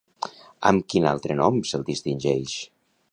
Amb quin altre nom se'l distingeix?